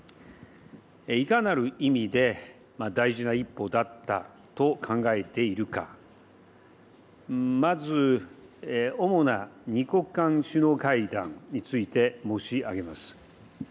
いかなる意味で大事な一歩だったと考えているか、まず、主な２国間首脳会談について申し上げます。